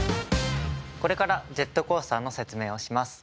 これからジェットコースターの説明をします。